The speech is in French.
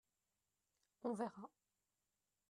on verra.